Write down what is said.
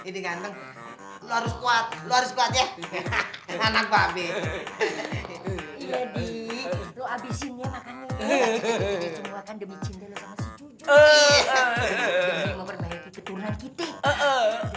demi lo perbaiki keturunan kita